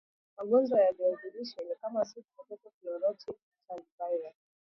Magonjwa ya viazi lishe ni kama Sweet Potato Chlorotic Stunt virus SPCSV